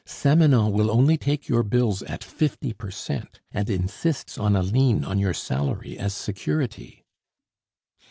"Samanon will only take your bills at fifty per cent, and insists on a lien on your salary as security."